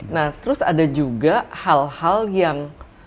nah terus ada juga hal hal yang